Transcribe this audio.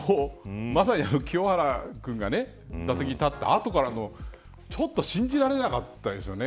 まさに清原君が打席に立った後からのちょっと信じられなかったですよね。